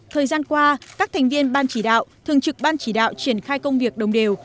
thời gian qua các thành viên ban chỉ đạo thường trực ban chỉ đạo triển khai công việc đồng đều